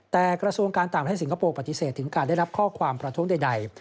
แต่กระทรวงการต่างประเทศสิงคโปร์ปฏิเสธถึงการได้รับข้อความประท้วงใด